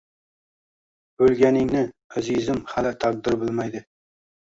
O‘lganingni, azizim, hali taqdir bilmaydi.